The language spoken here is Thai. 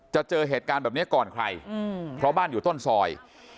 เจอเหตุการณ์แบบนี้ก่อนใครเพราะบ้านอยู่ต้นซอย